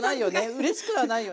うれしくはないよね。